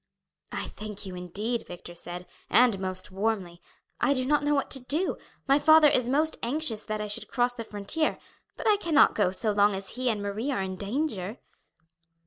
"I thank you indeed," Victor said, "and most warmly. I do not know what to do. My father is most anxious that I should cross the frontier, but I cannot go so long as he and Marie are in danger."